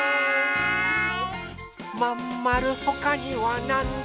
まんまるほかにはなんだ？